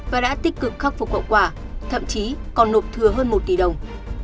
và đã tích cực khắc phục hậu quả thậm chí còn nộp thừa hơn một tỷ đồng